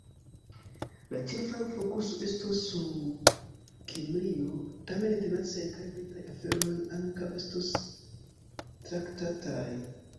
La ĉefa fokuso estos sur Kimrio, tamen internaciaj kaj Britaj aferoj ankaŭ estos traktataj.